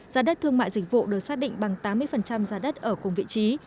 giá đất thương mại dịch vụ được xác định bằng tám mươi giá đất ở cùng vị trí